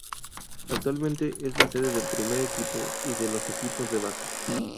Actualmente es la sede del Primer Equipo y de los equipos de base.